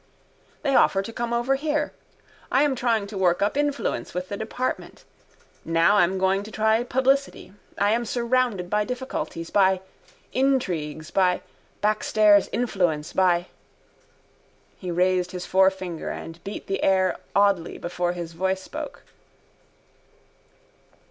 They offer to come over here. I am trying to work up influence with the department. Now I'm going to try publicity. I am surrounded by difficulties, by... intrigues by... backstairs influence by... He raised his forefinger and beat the air oldly before his voice spoke.